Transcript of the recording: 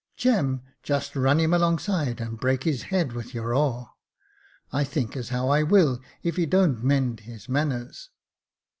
" Jem, just run him alongside, and break his head with your oar." " I thinks as how I will, if he don't mend his manners."